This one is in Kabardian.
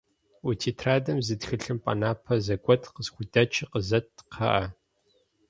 Уи тетрадым зы тхылъымпӏэ напэ зэгуэт къысхудэчи къызэт, кхъыӏэ.